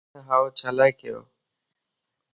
ھن ھاو ڇيلا ڪيو؟